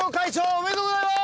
おめでとうございます。